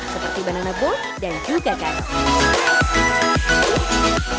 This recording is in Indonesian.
seperti banana bowl dan juga garam